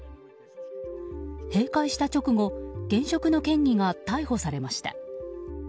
閉会した直後現職の県議が逮捕されました。